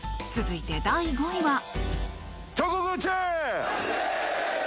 続いて、第５位は。